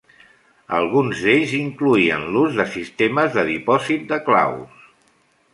Alguns d'ells incloïen l'ús de sistemes de dipòsit de claus.